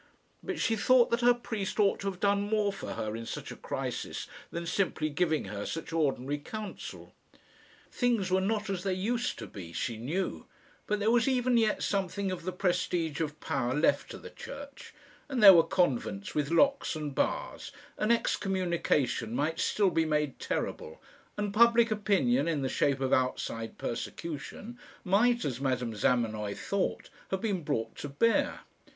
But she thought that her priest ought to have done more for her in such a crisis than simply giving her such ordinary counsel. Things were not as they used to be, she knew; but there was even yet something of the prestige of power left to the Church, and there were convents with locks and bars, and excommunication might still be made terrible, and public opinion, in the shape of outside persecution, might, as Madame Zamenoy thought, have been brought to bear.